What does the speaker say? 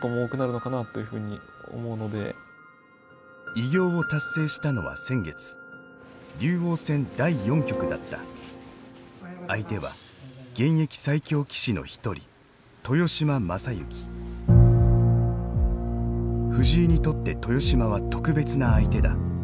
偉業を達成したのは先月相手は現役最強棋士の一人藤井にとって豊島は特別な相手だ。